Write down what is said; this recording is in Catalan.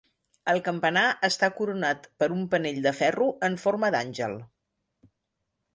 El campanar està coronat per un penell de ferro en forma d'àngel.